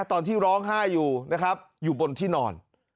ตอนที่ร้องไห้อยู่นะครับอยู่บนที่นอน